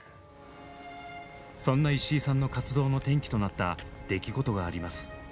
そんな石井さんの活動の転機となった出来事があります。